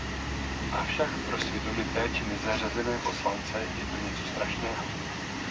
Avšak pro svědomité či nezařazené poslance je to něco strašného.